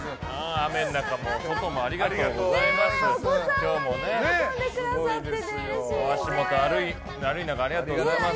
雨の中外もありがとうございます。